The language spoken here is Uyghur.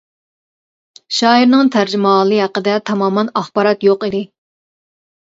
شائىرنىڭ تەرجىمىھالى ھەققىدە تامامەن ئاخبارات يوق.